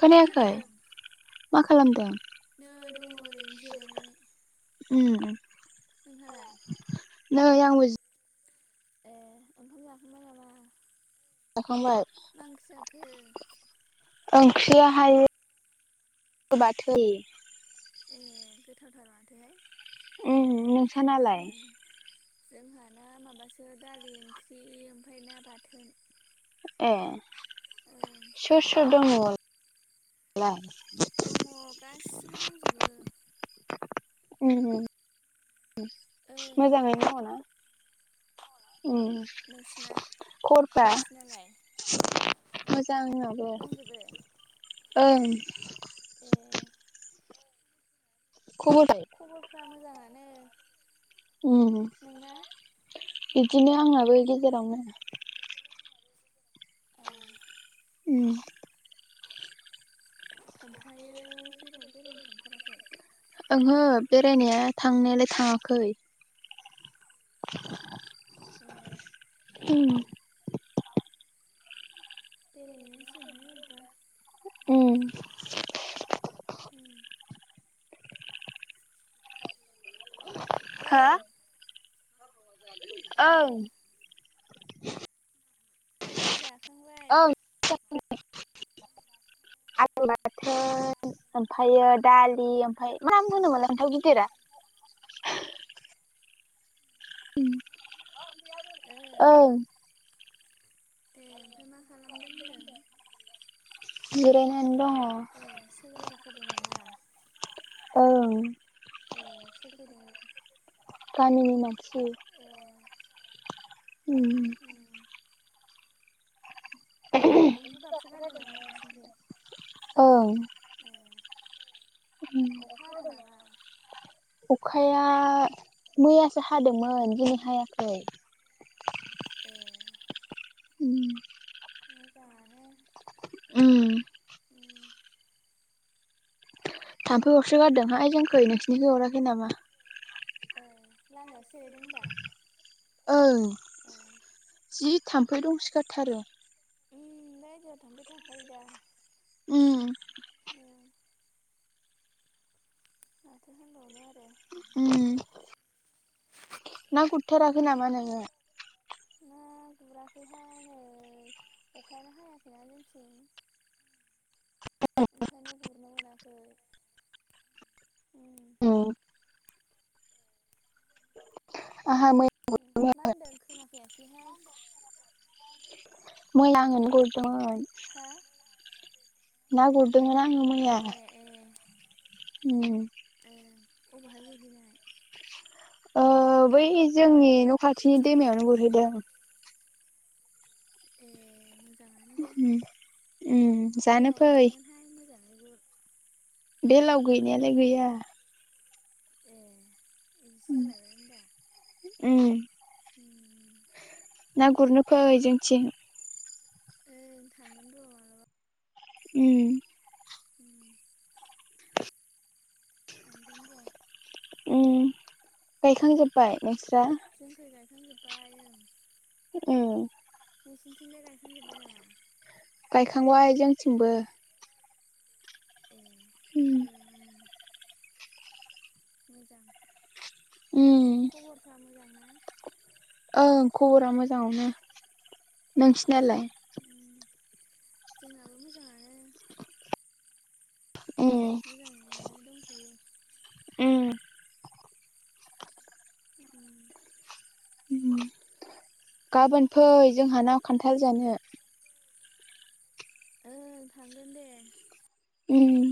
खोनायाखै खोनादों मा खालामदों? नै दङ ओरैनो जिरायनानै उम नोंहालाय? नै आंबो जि ए ओंखाम जाखांबाय नामा जाखांबाय मा ओंख्रि जाखो ओंख्रियाहाय बाथोन ए गोथावथार माथोहाय उम नोंसानालाय जोंहा ना माबासो दालि ओंख्रि ओमफाय ना बाथोन ए ओं सोर सोर दं न'आव दङ गासिबो दंजोबो उम ओं मोजांङैनो दङ ना उम नोंसिना खबरफ्रा नोंसिनालाय? मोजां आंनाबो दंजोबो ओं [inaudible] खबर खबरफ्रा मोजाङानो उम नोंना? बिदिनो आंहाबो गेजेरावनो ए उम ओमफ्रायो जेरावबो बेरायनो थांथाराखै ओंहो बेरायनाया थांनायालाय थाङाखै [inaudible] ए उम बेरायहैनांसिगोनहाय उम अबावबा हो ओं ओं जाखां ओं आलु बाथोन ओमफायो दालि ओमफाय मा नाम होनो फान्थाव मोनलाय ओमफाय गिदिरा ओं औ दे ओमफाय मा खालामदों होनदों जिरायना ए सोरबाफोर दङ नामा? उ ए सौर फैदों? गामिनि मानसि। ए उ एम्बु गाबसो गारदों नामा नोंसनिथिं? औ ओम अखा हादों नामा अ। खाया मैयासो हादोंमोन दिनै हायाखै। ए उ मोजाङानो उ उम थाम्फै अरसोगारदों हाय जोंखै नोंसिनिखै अराखै नामा? ओ लामायावसो जेरायदों होनबा। ओं ए जि थाम्फै दंसोगारथारो। ओम दा बायदियाव थाम्फै थाखायो दा। ओम उम माथो होनबावनो आरो। उम ना गुरथाराखै नामा नोङो? ना गुराखैहाय नै अखायानो हायाखैना जोंथिं। ओंखायनो गुरनो मोनाखै। औ आंहा मै मा होनदों खोनाफैयासैहाय। मै आंनो गुरदोंमोन। हा ना गुरदोंमोना आङो ए मैया। अबाहाय गुरहैनाय? ओ बै जोंनि न' खाथिनि दैमायावनो गुरहैदों। ए मोजां। ओम जानो बेलाव फै। बाजागोनहाय [inaudible] बेलाव गैनायालाय गैया। ए बिदिसो जालायबाय होमबा। ओम उ ना गुरनो फै जोंनिथिं। ओ थांगोन र'। उम [inaudible] थांगोन र'। उ गायखां जोब्बाय नोंस्रा? गायखांबाय ओं औ। नोंसिनिथिंजाय गायखांजोबबाय नामा? गायखांबाय जोंथिंबो। ए उम ओं ओं मोजां उम खबरफ्रा मोजां ना? ओं खबरा मोजांङानो ए नोंसिनालाय? उम जोंनाबो मोजाङानो। ए मोजाङैनो दंथ'यो उम उम गाबोन फै जोंहानाव खान्थाल जानो। ओं थांगोन दे उम